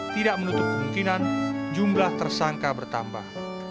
tidak menutup kemungkinan jumlah tersangka bertambah